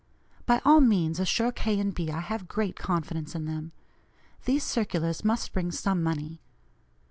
By all means assure K. & B. I have great confidence in them. These circulars must bring some money.